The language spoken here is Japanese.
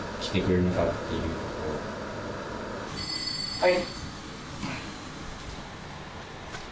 はい。